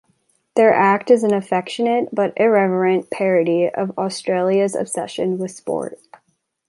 Their act is an affectionate but irreverent parody of Australia's obsession with sport.